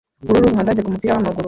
ubururu bahagaze kumupira wamaguru